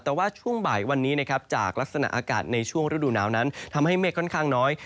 แต่ว่าช่วงบ่ายวันนี้นะครับจากลักษณะอากาศในช่วงฤดูหนาวนั้นทำให้เมฆค่อนข้างน้อย